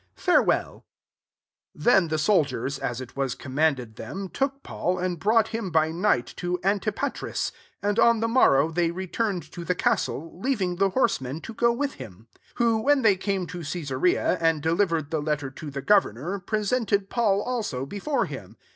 [Farewel.]" 31 Then the soldiers, as it was commanded them, took Paul, and brought him by night to Antipatris : 32 and on the morrow they returned to the castle, leaving the horsemen to go with him : 33 who, when they came to Caesarea, and delivered the letter to the governor, presented Paul also before him.